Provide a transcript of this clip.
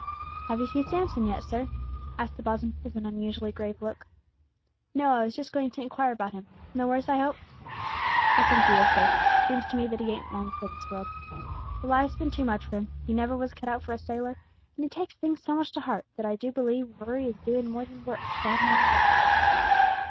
"Have ye seen Samson yet, sir?" asked the boatswain, with an unusually grave look. "No; I was just going to inquire about him. No worse, I hope?" "I think he is, sir. Seems to me that he ain't long for this world. The life's bin too much for him: he never was cut out for a sailor, an' he takes things so much to heart that I do believe worry is doin' more than work to drive him on the rocks."